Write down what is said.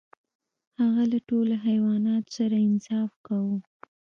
هغه له ټولو حیواناتو سره انصاف کاوه.